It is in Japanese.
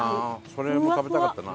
それも食べたかったな。